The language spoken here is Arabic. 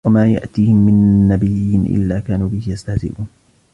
وما يأتيهم من نبي إلا كانوا به يستهزئون